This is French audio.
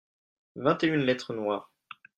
vingt et une lettres noires.